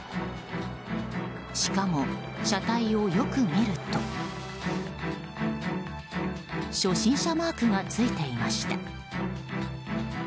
しかも、車体をよく見ると初心者マークがついていました。